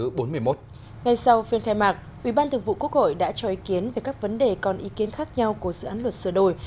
ngay sau phiên khai mạc ủy ban thường vụ quốc hội đã cho ý kiến về các vấn đề còn ý kiến khác nhau của dự án luật sửa đổi